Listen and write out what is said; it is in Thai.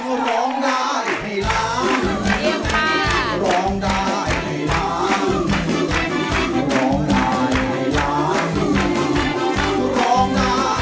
เชี่ยงมาก